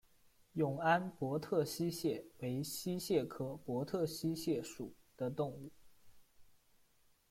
永安博特溪蟹为溪蟹科博特溪蟹属的动物。